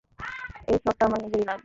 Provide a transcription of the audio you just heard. এই প্লটটা আমার নিজেরই লাগবে।